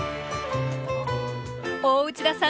大内田さん